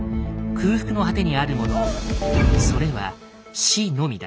空腹の果てにあるものそれは死のみだ。